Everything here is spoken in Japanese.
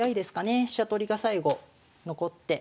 飛車取りが最後残って。